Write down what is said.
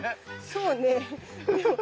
そうね。